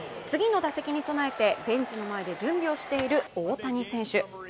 次の打席に備えてベンチの前で準備をしている大谷選手。